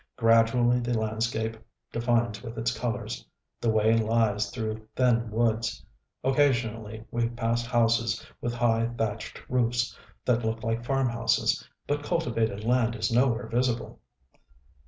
Gradually the landscape defines with its colors. The way lies through thin woods. Occasionally we pass houses with high thatched roofs that look like farmhouses; but cultivated land is nowhere visible....